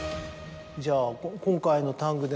じゃあ今回の。